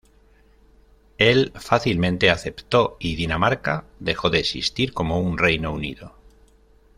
Él fácilmente aceptó y Dinamarca dejó de existir como un reino unido.